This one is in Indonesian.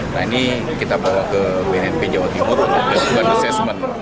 nah ini kita bawa ke bnp jawa timur untuk lakukan asesmen